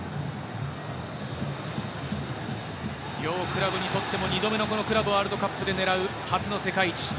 両クラブにとっても２度目のクラブワールドカップで狙う初の世界一。